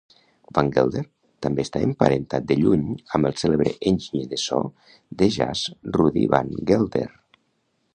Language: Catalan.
Van Gelder també està emparentat de lluny amb el cèlebre enginyer de so de jazz Rudy Van Gelder.